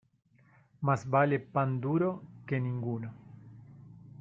Más vale pan duro que ninguno.